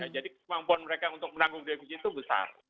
jadi kemampuan mereka untuk menanggung defisit itu besar